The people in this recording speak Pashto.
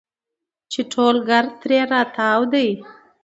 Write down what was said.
چې ټول ګرد ترې راتاو دي.